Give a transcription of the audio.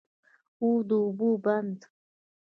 او د اوبو بند